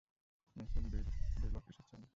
Mrs Baylock এসেছেন?